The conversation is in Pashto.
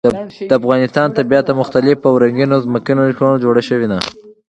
د افغانستان طبیعت له مختلفو او رنګینو ځمکنیو شکلونو جوړ شوی دی.